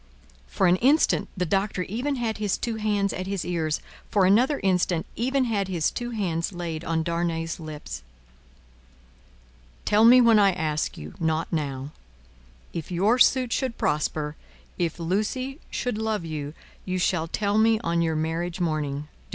For an instant, the Doctor even had his two hands at his ears; for another instant, even had his two hands laid on Darnay's lips. "Tell me when I ask you, not now. If your suit should prosper, if Lucie should love you, you shall tell me on your marriage morning.